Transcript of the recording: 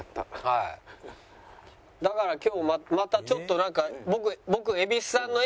だから今日またちょっとなんか僕。